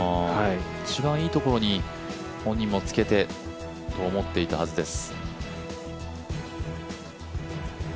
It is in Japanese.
一番いいところに本人もつけてと思っていたはずです。